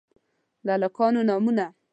د هلکانو نومونه: